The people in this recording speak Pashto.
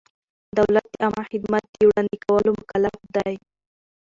دولت د عامه خدمت د وړاندې کولو مکلف دی.